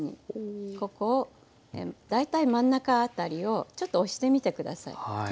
ここを大体真ん中辺りをちょっと押してみてください。